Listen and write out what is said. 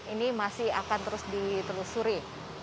ini masih akan terus ditelusuri